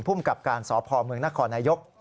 ผู้มกับการศพพมนนายก